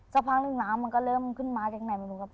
สักพักหนึ่งน้ำมันก็เริ่มขึ้นมาจากไหนไม่รู้ครับ